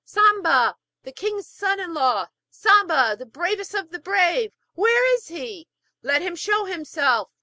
'Samba, the king's son in law! Samba, the bravest of the brave! Where is he? Let him show himself!'